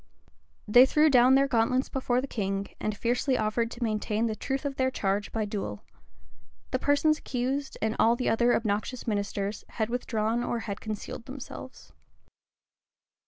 They threw down their gauntlets before the king, and fiercely offered to maintain the truth of their charge by duel. The persons accused, and all the other obnoxious ministers, had withdrawn or had concealed themselves.